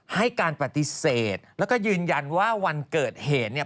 ให้การปฏิเสธแล้วก็ยืนยันว่าวันเกิดเหตุเนี่ย